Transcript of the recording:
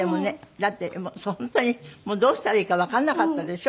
だって本当にどうしたらいいかわからなかったでしょ？